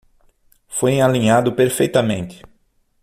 Foi alinhado perfeitamente.